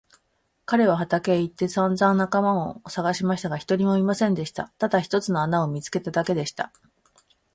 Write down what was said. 彼は畑へ行ってさんざん仲間をさがしましたが、一人もいませんでした。ただ一つの穴を見つけただけでした。